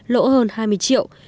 lỗ hơn hai mươi triệu